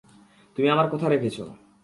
তুমি আমার কথা রেখেছো।